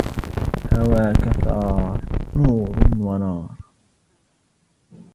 هواك ثار نور ونار